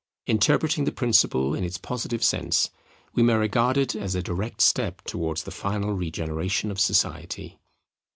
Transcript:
Interpreting the principle in its positive sense, we may regard it as a direct step towards the final regeneration of society.